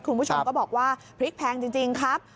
คุณผู้ชมก็บอกว่าพริกแพงจริงครับ